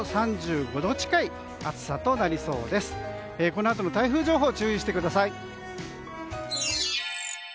このあとも台風情報注意してください。